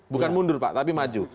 bukan mundur pak tapi maju